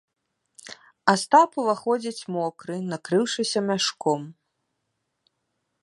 Астап уваходзіць мокры, накрыўшыся мяшком.